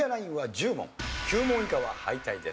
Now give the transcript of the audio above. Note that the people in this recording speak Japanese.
９問以下は敗退です。